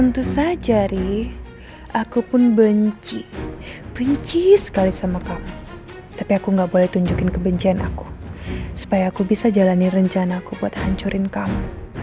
tentu saja ri aku pun benci benci sekali sama kamu tapi aku gak boleh tunjukin kebencian aku supaya aku bisa jalanin rencana aku buat hancurin kamu